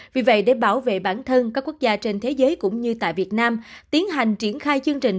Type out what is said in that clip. vì vậy để bảo vệ bản thân các quốc gia trên thế giới cũng như tại việt nam tiến hành triển khai chương trình